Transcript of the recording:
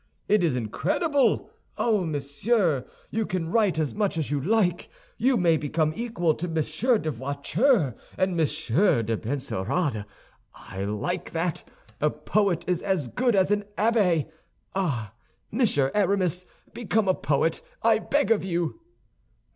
It is incredible! Oh, monsieur, you can write as much as you like; you may become equal to Monsieur de Voiture and Monsieur de Benserade. I like that. A poet is as good as an abbé. Ah! Monsieur Aramis, become a poet, I beg of you."